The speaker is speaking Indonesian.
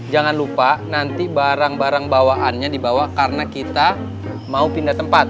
jangan lupa nanti barang barang bawaannya dibawa karena kita mau pindah tempat